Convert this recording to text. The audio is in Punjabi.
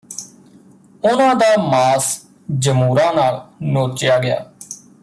ਉਨ੍ਹਾਂ ਦਾ ਮਾਸ ਜਮੂਰਾਂ ਨਾਲ ਨੋਚਿਆ ਗਿਆ